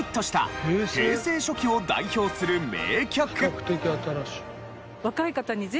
比較的新しい。